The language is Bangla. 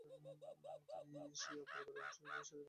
তিনি শিয়া পরিবারে জন্মগ্রহণ করেন এবং শৈশবেই তার বাবাকে হারান।